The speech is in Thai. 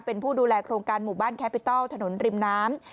เป็นผู้ดูแลโครงการหมู่บ้านแคปิตอัลถนนริมน้ำ